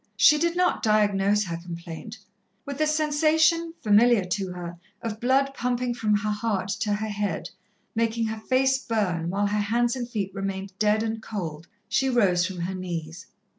She did not diagnose her complaint. With the sensation, familiar to her, of blood pumping from her heart to her head, making her face burn, while her hands and feet remained dead and cold, she rose from her knees.